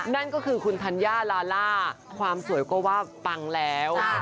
นั่นก็คือคุณธัญญาลาล่าความสวยก็ว่าปังแล้ว